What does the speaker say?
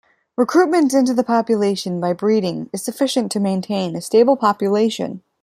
Recruitment into the population by breeding is sufficient to maintain a stable population.